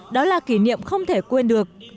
đó là kỷ niệm không thể quên được